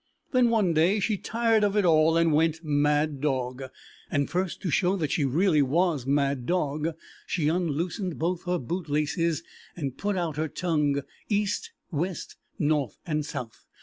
Then one day she tired of it all and went mad dog, and, first, to show that she really was mad dog, she unloosened both her boot laces and put out her tongue east, west, north, and south.